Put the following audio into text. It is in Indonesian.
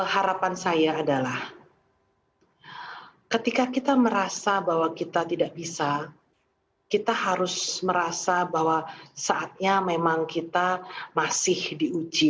harapan saya adalah ketika kita merasa bahwa kita tidak bisa kita harus merasa bahwa saatnya memang kita masih diuji